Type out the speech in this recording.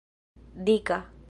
dika